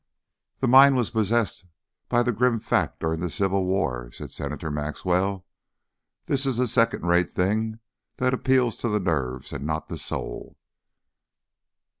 "The mind was possessed by the Grim Fact during the Civil War," said Senator Maxwell. "This is a second rate thing that appeals to the nerves and not to the soul."